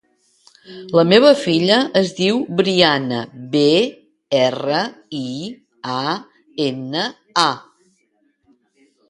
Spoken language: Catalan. La meva filla es diu Briana: be, erra, i, a, ena, a.